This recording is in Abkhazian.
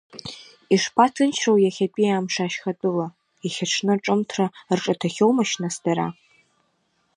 Ишԥаҭынчроу иахьатәи амш ашьхатәыла, иахьаҽны аҿымҭра рҿаҭахьоумашь нас дара?